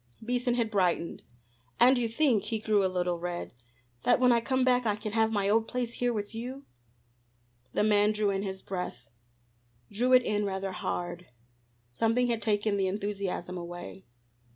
Beason had brightened. "And you think," he grew a little red "that when I come back I can have my old place here with you?" The man drew in his breath, drew it in rather hard; something had taken the enthusiasm away.